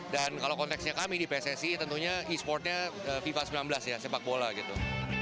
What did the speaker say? dan kalau konteksnya kami di pssi tentunya e sportnya fifa sembilan belas ya sepak bola gitu